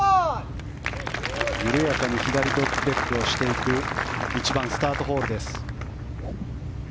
緩やかな左ドッグレッグをする１番スタートホールです。